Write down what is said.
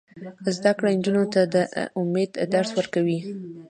زده کړه نجونو ته د امید درس ورکوي.